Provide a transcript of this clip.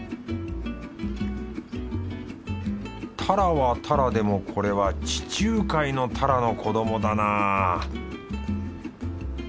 タラはタラでもこれは地中海のタラの子どもだな